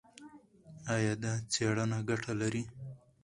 ایا دا څېړنه ګټه لري؟